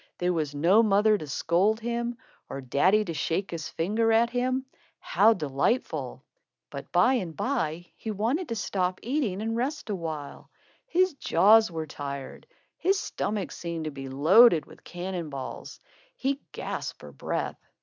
There was no mother to scold him, or daddy to shake his finger at him. How delightful! But by and by, he wanted to stop eating and rest a while. His jaws were tired. His stomach seemed to be loaded with cannon balls. He gasped for breath.